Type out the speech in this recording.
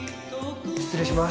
失礼します。